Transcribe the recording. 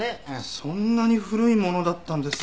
そんなに古いものだったんですか。